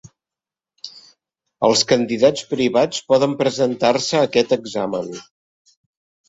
Els candidats privats poden presentar-se a aquest examen.